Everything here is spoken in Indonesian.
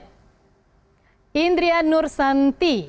mbak indria nursanti